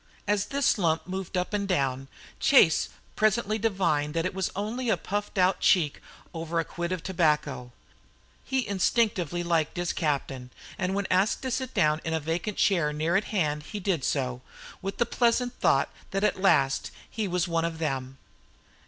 As this lump moved up and down, Chase presently divined that it was only a puffed out cheek over a quid of tobacco. He instinctively liked his captain, and when asked to sit down in a vacant chair near at hand he did so, with the pleasant thought that at last he was one of them.